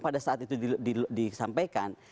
pada saat itu disampaikan